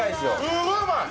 すごいうまい。